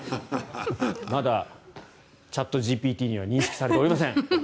まだチャットＧＰＴには認識されておりません。